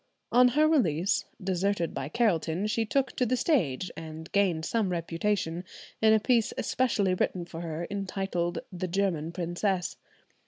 On her release, deserted by Carelton, she took to the stage, and gained some reputation, in a piece especially written for her entitled the "German Princess."